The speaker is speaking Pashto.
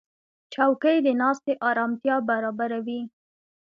چوکۍ د ناستې آرامتیا برابروي.